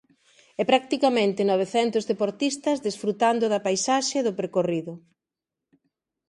E practicamente novecentos deportistas desfrutando da paisaxe e do percorrido.